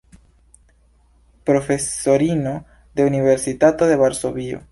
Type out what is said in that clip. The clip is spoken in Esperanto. Profesorino de Universitato de Varsovio.